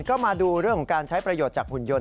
ก็มาดูเรื่องของการใช้ประโยชน์จากหุ่นยนต